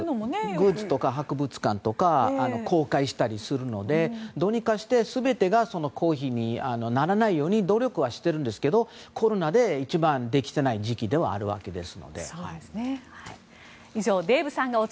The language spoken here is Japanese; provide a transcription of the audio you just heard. グッズとか博物館とかを公開したりするのでどうにかして全てが公費にならないように努力はしてるんですけどコロナで一番できていない時期ではあるわけです。